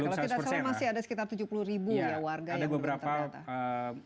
kalau tidak salah masih ada sekitar tujuh puluh ribu ya warga yang berada di tempat ini